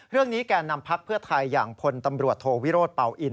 เรื่องนี้แกนำพรัฐเพื่อไทยอย่างพนตรวจโทวิรวทเปล่าอิ่น